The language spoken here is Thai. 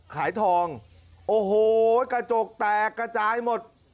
ขายทองโอ้โหกระจกแตกกระจายหมด